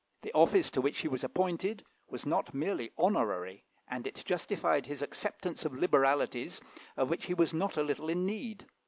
The office to which he was appointed was not merely honorary, and it justified his acceptance of liberalities of which he was not a little in need.